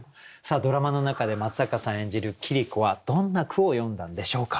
ドラマの中で松坂さん演じる桐子はどんな句を詠んだんでしょうか。